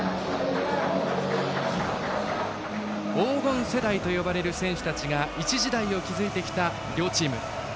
黄金世代と呼ばれる選手たちが一時代を築いてきた両チーム。